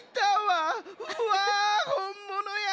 わあほんものや！